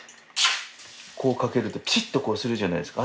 こうかけるとピシっとこうするじゃないですか。